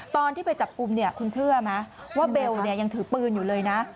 ตอนที่ไปจับกลุ่มเนี่ยคุณเชื่อไหมว่าเบลยังถือปืนอยู่เลยนะ